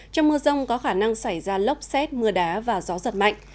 trong mưa rông có khả năng xảy ra lốc xét mưa đá và gió giật mạnh